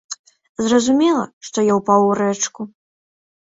Зразумела, што я ўпаў у рэчку.